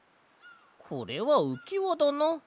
これはうきわだな。